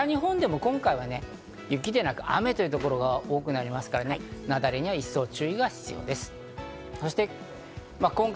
北日本でも今回は雪ではなく雨という所が多くなりますから、雪崩には一層注意が必要です。